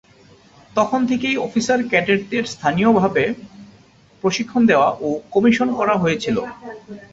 তখন থেকেই অফিসার ক্যাডেটদের স্থানীয়ভাবে প্রশিক্ষণ দেওয়া এবং কমিশন করা হয়েছিলো।